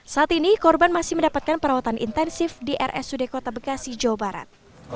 saat ini korban masih mendapatkan perawatan intensif di rsud kota bekasi jawa barat